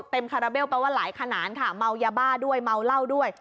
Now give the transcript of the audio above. คาราเบลแปลว่าหลายขนาดค่ะเมายาบ้าด้วยเมาเหล้าด้วย